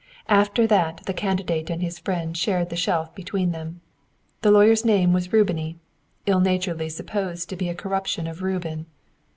After that the candidate and his friend shared the shelf between them. The lawyer's name was Rubiny, ill naturedly supposed to be a corruption of Reuben.